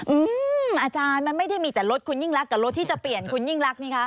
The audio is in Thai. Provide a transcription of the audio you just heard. อืมอาจารย์มันไม่ได้มีแต่รถคุณยิ่งรักกับรถที่จะเปลี่ยนคุณยิ่งรักนี่คะ